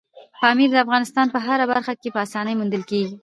پامیر د افغانستان په هره برخه کې په اسانۍ موندل کېږي.